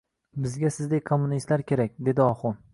— Bizga sizdek kommunistlar kerak! — dedi Oxun-